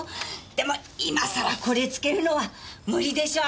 でも今さらこれつけるのは無理でしょ